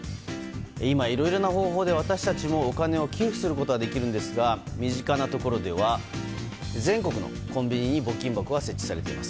今、いろいろな方法で私たちもお金を寄付することができるんですが身近なところでは全国のコンビニに募金箱が設置されています。